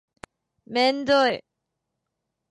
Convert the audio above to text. めんどい